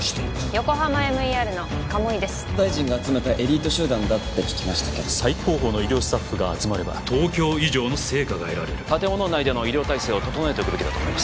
ＹＯＫＯＨＡＭＡＭＥＲの鴨居です・大臣が集めたエリート集団だって聞きましたけど最高峰の医療スタッフが集まれば東京以上の成果が得られる建物内での医療態勢を整えておくべきだと思います